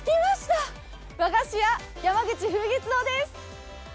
和菓子屋、山口風月堂です。